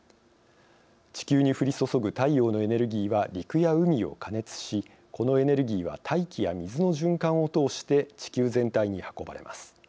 地球に降り注ぐ太陽のエネルギーは陸や海を加熱しこのエネルギーは大気や水の循環を通して地球全体に運ばれます。